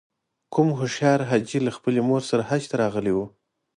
کوم هوښیار حاجي له خپلې مور سره حج ته راغلی و.